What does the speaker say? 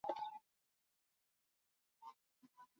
Esto a su vez atrajo la atención del periódico "St.